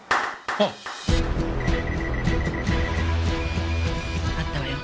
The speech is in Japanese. あったわよ。